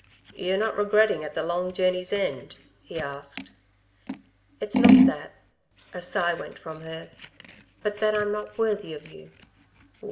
"Y're not regretting at the long journey's end?" he asked. "It's not that," a sigh went from her "but that I'm not worthy of you."